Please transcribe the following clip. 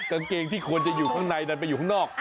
กางเกงที่ควรจะอยู่ข้างในดันไปอยู่ข้างนอก